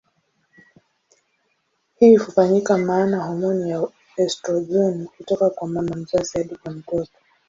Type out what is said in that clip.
Hii hufanyika maana homoni ya estrojeni hutoka kwa mama mzazi hadi kwa mtoto.